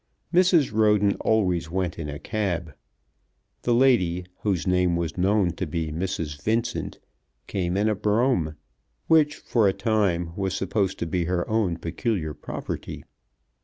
Mrs. Roden always went in a cab. The lady, whose name was soon known to be Mrs. Vincent, came in a brougham, which for a time was supposed to be her own peculiar property.